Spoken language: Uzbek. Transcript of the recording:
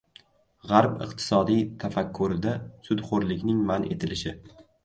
G‘arb iqtisodiy tafakkurida sudxo‘rlikning man etilishi